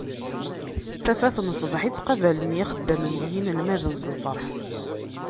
Tafat n sbeḥ i ttqabalen yixeddamen d yinelmaden s lferḥ.